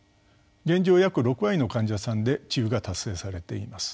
現状約６割の患者さんで治癒が達成されています。